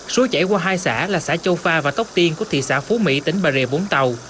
súi chảy qua hai xã là xã châu pha và tóc tiên của thị xã phú mỹ tính bà rịa vốn tàu